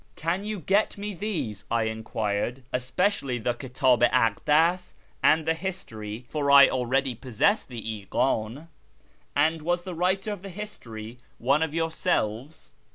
" Can you get me these ?" I enquired, " especially the Kitdh i AMas and the History (for I already possess the IJcdn) ? And was the writer of the History one of yourselves